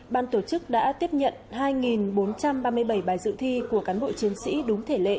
ban tổ chức đã tiếp nhận hai bốn trăm ba mươi bảy bài dự thi của cán bộ chiến sĩ đúng thể lệ